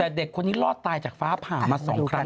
แต่เด็กคนนี้รอดตายจากฟ้าผ่ามา๒ครั้ง